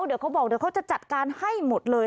เดี๋ยวเขาบอกเดี๋ยวเขาจะจัดการให้หมดเลย